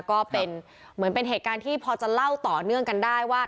ก็เป็นเหตุการณ์ที่พอจะเล่าต่อเนื่องกันได้ว่า